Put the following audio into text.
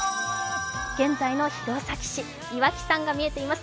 現在の弘前市、岩木山が見えています。